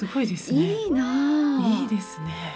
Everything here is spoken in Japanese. いいですね。